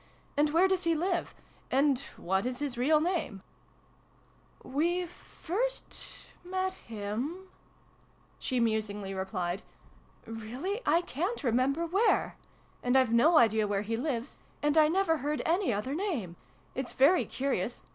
" And where does he live ? And what is his real name ?" vn] MEIN HERR. ill " We first met him ' she musingly replied, "really, I ca'n't remember where! And I've no idea where he lives ! And I never heard any other name! It's very curious.